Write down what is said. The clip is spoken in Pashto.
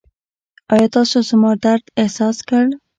ایا تاسو زما درد احساس کړ؟